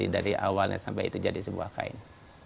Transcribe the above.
dari awalnya sampai itu jadi sebuah kain